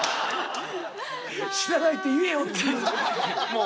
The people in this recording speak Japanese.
「知らないって言えよ」っていう。